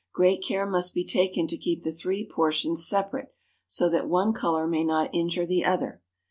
Great care must be taken to keep the three portions separate, so that one color may not injure the other.